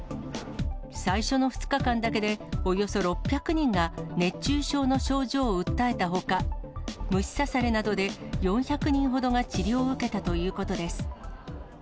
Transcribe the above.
最初の２日間だけで、およそ６００人が熱中症の症状を訴えたほか、虫刺されなどで４００人ほどが治療を受けたということです。